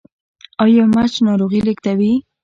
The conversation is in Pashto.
ایا مچ ناروغي لیږدوي؟